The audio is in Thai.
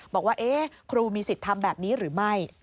บอกว่าครูมีสิทธิ์ทำแบบนี้หรือไม่